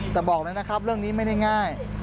แต่บอกเลยนะครับเรื่องนี้ไม่ได้ง่าย